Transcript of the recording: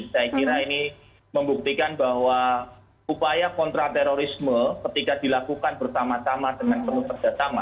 saya kira ini membuktikan bahwa upaya kontraterorisme ketika dilakukan bersama sama dengan penutup jatah sama